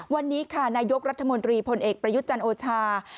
วันนี้ค่ะนายกรัฐมนตรีพลเอกประยุทธ์จันทร์โอชา